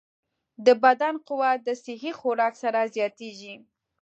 د بدن قوت د صحي خوراک سره زیاتېږي.